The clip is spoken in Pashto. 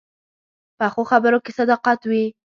پخو خبرو کې صداقت وي